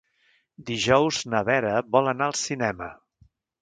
Dijous na Vera vol anar al cinema.